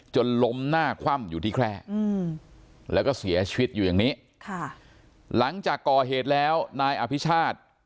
ล้มหน้าคว่ำอยู่ที่แคร่แล้วก็เสียชีวิตอยู่อย่างนี้ค่ะหลังจากก่อเหตุแล้วนายอภิชาติ